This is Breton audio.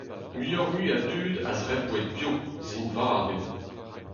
Muioc'h-mui a dud a zebr boued bio. Sin vat eo.